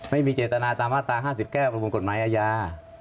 ไม่มีเจตนาตามมาตรา๕๙ประมวลกฎหมายอาญา